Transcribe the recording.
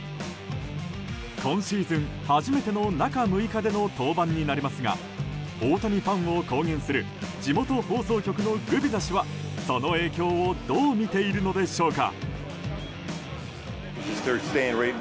今シーズン初めての中６日での登板になりますが大谷ファンを公言する地元放送局のグビザ氏はその影響をどう見ているのでしょうか。